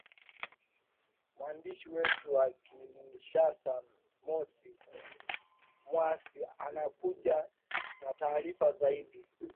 mwandishi wetu wa kinshasa mosi mwasi anakuja na taarifa zaidi